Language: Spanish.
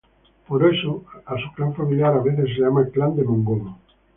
Por eso, a su clan familiar a veces se le llama "clan de Mongomo".